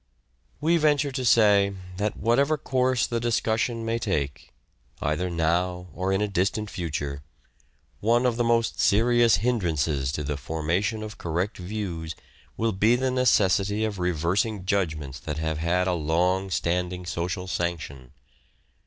We venture to say that, whatever course the dis Apparent .,,.,., L e . inferiority. cussion may take, either now or m a distant future, H2 " SHAKESPEARE " IDENTIFIED one of the most serious hindrances to the formation of correct views will be the necessity of reversing judgments that have had a longstanding social sanction.